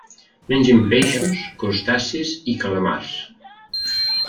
Mengen peixos, crustacis i calamars.